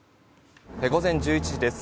午前１１時です。